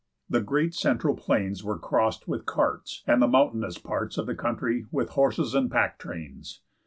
The great central plains were crossed with carts, and the mountainous parts of the country with horses and pack trains.